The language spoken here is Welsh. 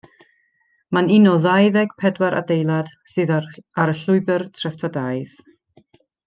Mae'n un o ddau ddeg pedwar adeilad sydd ar y Llwybr Treftadaeth.